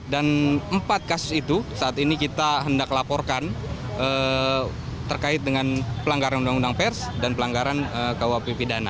dan empat kasus itu saat ini kita hendak laporkan terkait dengan pelanggaran undang undang pers dan pelanggaran kawapipidana